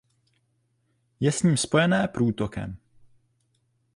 Je s ním spojené průtokem.